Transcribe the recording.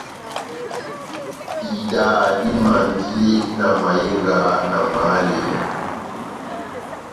Idaha dimandi na mahinga, na mahaleya.